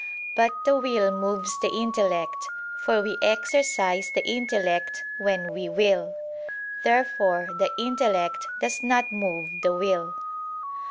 But the will moves the intellect; for we exercise the intellect when we will. Therefore the intellect does not move the will.